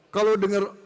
kalau denger allahu akbar